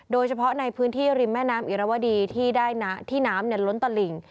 โดยเฉพาะในพื้นที่ริมแม่น้ำอิรวดีที่ได้ที่น้ำล้นตลิ่ง